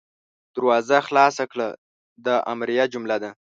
دروازه خلاصه کړه – دا امریه جمله ده.